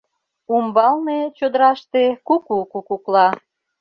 Умбалне, чодыраште, куку кукукла.